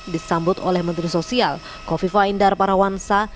disambut oleh menteri sosial kofifa indar parawansa